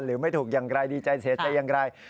ไม่ถูกอย่างไรดีใจเสียใจอย่างไร